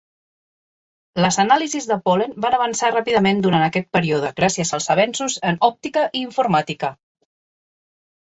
Les anàlisis de pol·len van avançar ràpidament durant aquest període gràcies als avanços en òptica i informàtica.